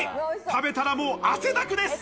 食べたら、もう汗だくです。